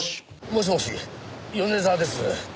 もしもし米沢です。